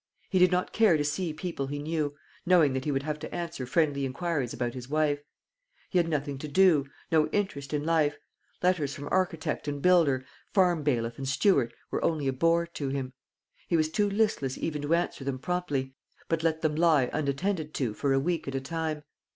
He did not care to see people he knew, knowing that he would have to answer friendly inquiries about his wife. He had nothing to do, no interest in life; letters from architect and builder, farm bailiff and steward, were only a bore to him; he was too listless even to answer them promptly, but let them lie unattended to for a week at a time.